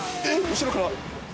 後ろから。